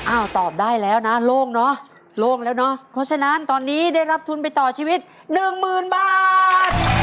ตอบได้แล้วนะโล่งเนอะโล่งแล้วเนอะเพราะฉะนั้นตอนนี้ได้รับทุนไปต่อชีวิตหนึ่งหมื่นบาท